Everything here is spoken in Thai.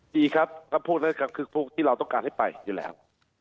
ดีครับก็พูดแล้วครับคือพวกที่เราต้องการให้ไปอยู่แล้ว